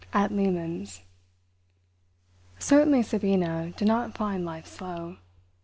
AT "LEHMANN'S" Certainly Sabina did not find life slow.